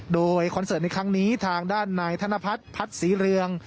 โดยคอนเสิร์ตในครั้งนี้ทางด้านนายธนพัฒน์พัฒน์ศรีเรือง